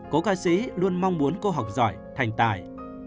cố ca sĩ luôn mong muốn cô học giỏi thành tài